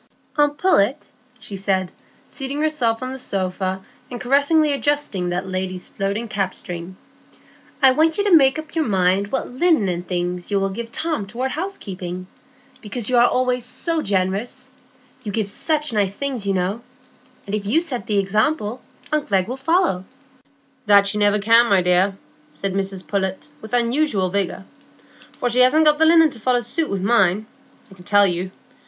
"Aunt Pullet," she said, seating herself on the sofa, and caressingly adjusting that lady's floating cap string, "I want you to make up your mind what linen and things you will give Tom toward housekeeping; because you are always so generous,—you give such nice things, you know; and if you set the example, aunt Glegg will follow." "That she never can, my dear," said Mrs Pullet, with unusual vigor, "for she hasn't got the linen to follow suit wi' mine, I can tell you.